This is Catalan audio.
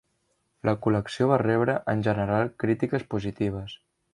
La col·lecció va rebre en general crítiques positives.